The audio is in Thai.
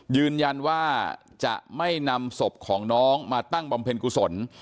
ยืนยันว่าจะไม่นำศพของน้องมาตั้งบำเพ็ญกุศล